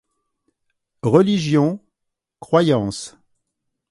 Religion, croyances.